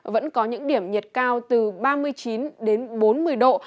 vẫn có những điểm nhiệt cao từ ba mươi chín ba mươi tám độ